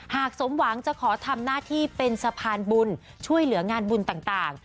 สมหวังจะขอทำหน้าที่เป็นสะพานบุญช่วยเหลืองานบุญต่าง